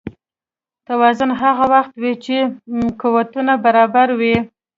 توازن هغه وخت وي چې قوتونه برابر وي.